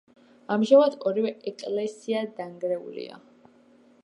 ამჟამად ორივე ეკლესია დანგრეულია.